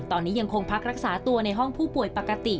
ตอนนี้ยังคงพักรักษาตัวในห้องผู้ป่วยปกติ